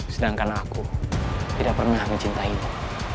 sedangkan aku tidak pernah mencintaimu